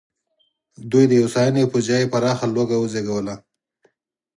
دوی د هوساینې پر ځای پراخه لوږه وزېږوله.